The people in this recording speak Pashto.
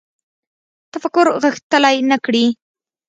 تفکر غښتلی نه کړي